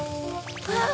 あっ！